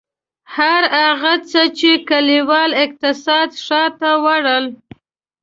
هر هغه څه چې کلیوال اقتصاد ښار ته وړل.